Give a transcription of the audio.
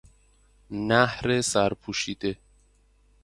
نهر سر پوشیده